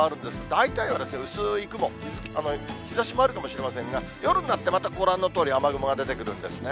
大体は薄い雲、日ざしもあるかもしれませんが、夜になってまたご覧のとおり雨雲が出てくるんですね。